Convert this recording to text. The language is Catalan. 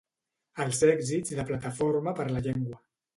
Els èxits de Plataforma per la Llengua.